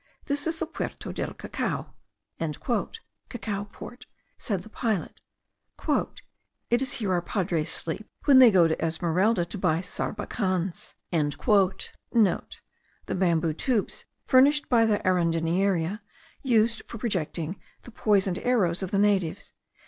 "This is the Puerto del Cacao" (Cacao Port), said the pilot; "it is here our Padres sleep, when they go to Esmeralda to buy sarbacans* (* The bamboo tubes furnished by the Arundinaria, used for projecting the poisoned arrows of the natives.